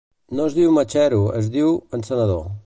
No es diu "mechero", es diu encenedor.